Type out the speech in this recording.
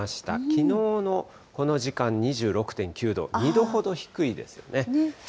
きのうのこの時間２６．９度、２度ほど低いですね。